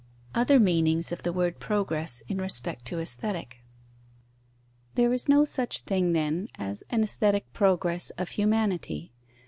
Other meanings of the word "progress" in respect to Aesthetic. There is no such thing, then, as an aesthetic progress of humanity.